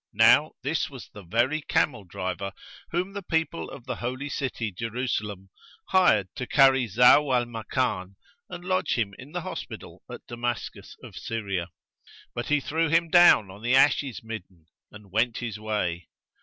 Now this was the very camel driver[FN#128] whom the people of the Holy City, Jerusalem, hired to carry Zau al Makan and lodge him in the hospital at Damascus of Syria; but he threw him down on the ashes midden and went his way.